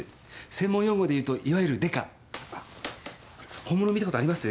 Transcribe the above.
専門用語で言うといわゆる「デカ」本物見たことあります？